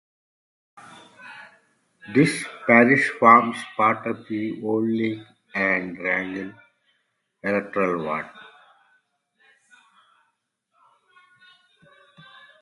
This parish forms part of the Old Leake and Wrangle electoral ward.